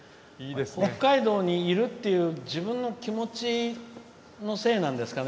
北海道にいるっていう自分の気持ちのせいなんですかね。